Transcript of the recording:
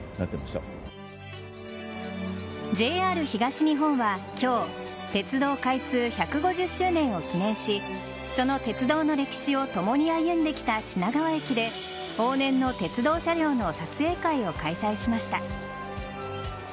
ＪＲ東日本は今日鉄道開通１５０周年を記念しその鉄道の歴史を共に歩んできた品川駅で往年の鉄道車両の撮影会を開催しました。